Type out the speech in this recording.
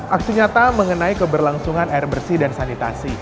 aksi nyata mengenai keberlangsungan air bersih dan sanitasi